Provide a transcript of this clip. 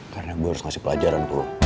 karena gue harus ngasih pelajaran dulu